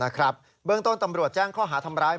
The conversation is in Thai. เบื้องต้นตำรวจแจ้งข้อหาทำร้าย